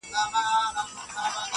گوره خندا مه كوه مړ به مي كړې.